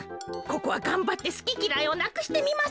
ここはがんばってすききらいをなくしてみませんか。